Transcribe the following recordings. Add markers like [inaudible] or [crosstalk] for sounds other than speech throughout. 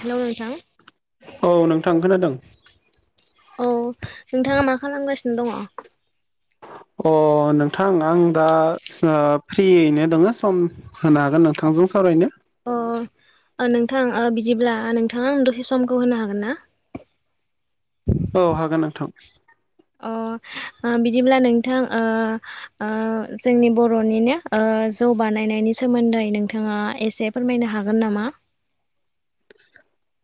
Hello नोंथां। औ नोंथां खोनादों। औ नोंथाङा मा खालामगासिनो दङ? अ नोंथां आं दा ओ फ्रियैनो दङो सम होनो हागोन नोंथांजों सावरायनो। अ नोंथां ओ बिदिब्ला नोंथाङा आं दसे समखौ होनो हागोन ना? [inaudible] औ हागोन नोंथां अ ओ बिदिब्ला नोंथां ओ-ओ जोंनि बर'निनो ओ जौ बानायनायनि सोमोन्दै नोंथाङा एसे फोरमायनो हागोन नामा? [inaudible]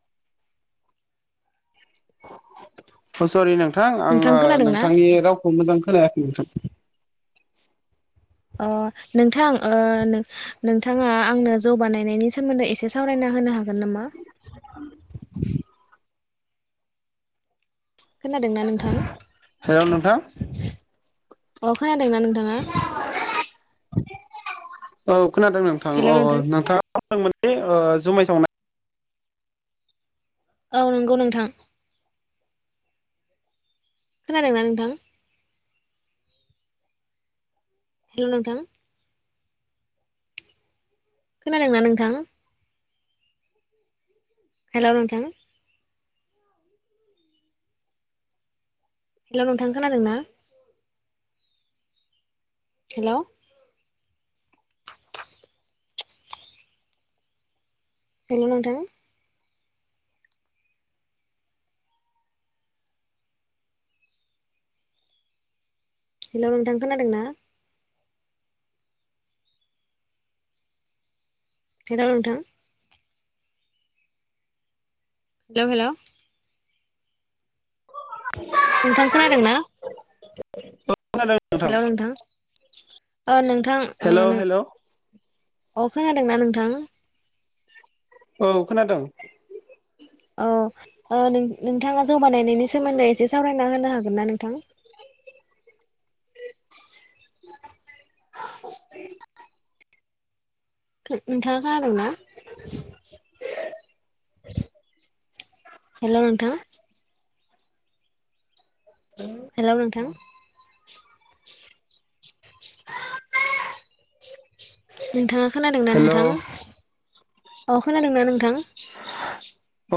अ सरि नोंथां आङो नोंथांनि रावखौ मोजां खोनायाखै नोंथां। अ नोंथां। ओ नोंथाङा आंनो जौ बानायनायनि सोमोन्दै एसे सावरायना होनो हागोन नामा? [inaudible] खोनादोंना नोंथां हेल' नोंथां। अ खोनादोंना नोंथाङा। औ खोनादों नोंथां अ नोंथाङा बुंदोंमोन दे ओ जुमाय संनाय औ नंगौ नोंथां। खोनादों ना नोंथां। हेलौ नोंथां। खोनादोंना नोंथां। हेलौ नोंथां। हेलौ नोंथां खोनादों ना। हेलौ। हेलौ नोंथां। हेलौ नोंथां खोनादों ना। हेलौ नोंथां। Hello hello. नोंथां खोनादों ना? [inaudible] हेलौ नोंथां ओ नोंथां हेलौ हेलौ ओ। अ खोनादोंना नोंथां? औ खोनादों। अ। ओ नोंथाङा जौ बानायनायनि सोमोन्दै एसे सावरायना होनो हागोन ना नोंथां? [inaudible] [inaudible] नोंथाङा खोनादों ना? [inaudible] हेलौ नोंथा। हेलौ नोंथां [inaudible] नोंथाङा खोनादोंना हेलौ नोंथां अ ‌खोनादों ना नोंथां।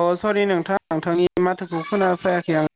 अ सरि नोंथां नोंथांनि माथोखौ खोनाफैयाखै आं।